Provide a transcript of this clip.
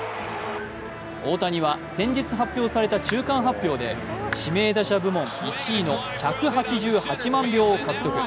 大谷は先日発表された中間発表で指名打者部門１位の１８８万票を獲得。